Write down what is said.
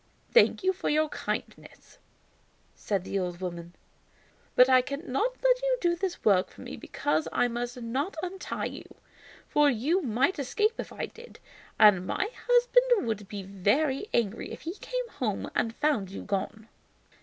"Thank you for your kindness," said the old woman, "but I cannot let you do this work for me because I must not untie you, for you might escape if I did, and my husband would be very angry if he came home and found you gone."